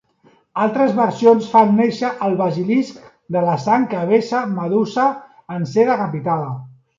Altres versions fan néixer el Basilisc de la sang que vessa Medusa en ser decapitada.